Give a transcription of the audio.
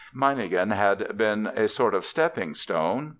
Meiningen had been a sort of stepping stone.